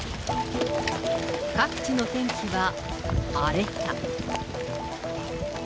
各地の天気は荒れた。